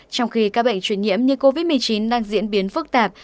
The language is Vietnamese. trong khi các bệnh truyền nhiễm như covid một mươi chín đang diễn biến phức tạp